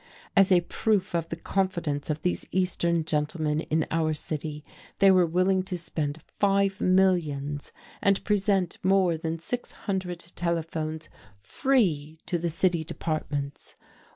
As a proof of the confidence of these Eastern gentlemen in our city, they were willing to spend five millions, and present more than six hundred telephones free to the city departments!